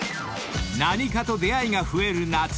［何かと出会いが増える夏］